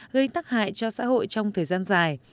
gây tắc hại cho xã hội trong thời gian dài